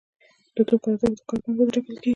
د توکو ارزښت د کار په اندازه ټاکل کیږي.